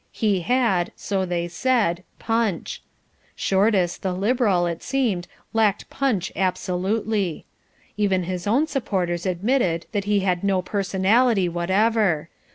He had, so they said, "punch." Shortis, the Liberal, it seemed, lacked punch absolutely. Even his own supporters admitted that he had no personality whatever.